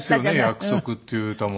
『約束』っていう歌も。